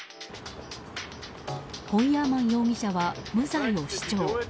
ホイヤーマン容疑者は無罪を主張。